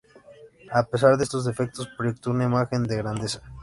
A pesar de estos defectos, proyectó una imagen de grandeza.